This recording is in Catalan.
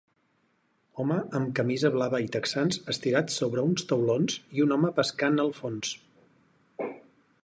Home amb camisa blava i texans estirat sobre uns taulons i un home pescant al fons.